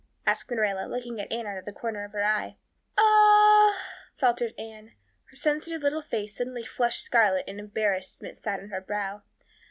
asked Marilla, looking at Anne out of the corner of her eye. "O o o h," faltered Anne. Her sensitive little face suddenly flushed scarlet and embarrassment sat on her brow.